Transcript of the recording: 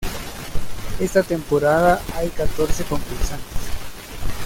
Esta temporada hay catorce concursantes.